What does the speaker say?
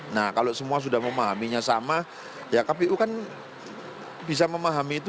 nah kalau semua sudah memahaminya sama ya kpu kan bisa memahami itu